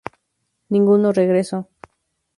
Ninguno regresó.